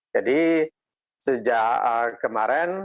jadi sejak kemarin